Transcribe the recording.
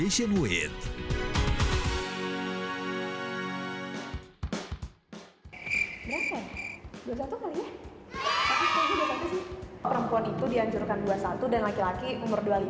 perempuan itu dianjurkan dua puluh satu dan laki laki umur dua puluh lima